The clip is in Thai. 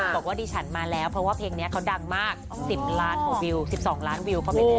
บอกว่าดิฉันมาแล้วเพราะว่าเพลงนี้เขาดังมาก๑๐ล้านของวิว๑๒ล้านวิวก็ไม่ได้